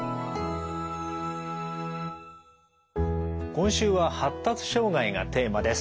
今週は「発達障害」がテーマです。